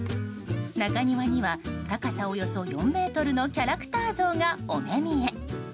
中庭には高さおよそ４ｍのキャラクター像がお目見え。